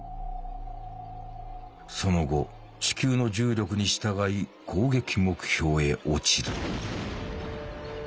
その後地球の重力に従い攻撃目標へ落ちる。